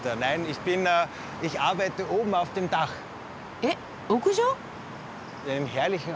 えっ屋上？